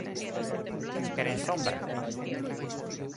¿Queren sombra?